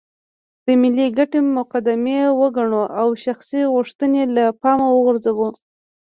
د ملي ګټې مقدمې وګڼو او شخصي غوښتنې له پامه وغورځوو.